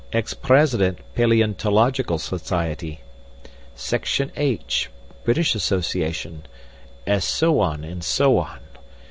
Ex President Palaeontological Society. Section H, British Association' so on, so on!